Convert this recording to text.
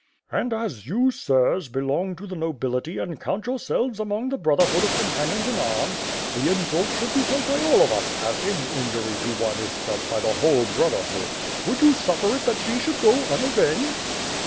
"And as you, sirs, belong to the nobility and count your selves among the brotherhood of companions in arms, the insult should be felt by all of us, as any injury to one is felt by the whole brotherhood. Would you suffer it that she should go unavenged?"